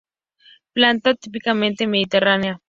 Planta típicamente mediterránea.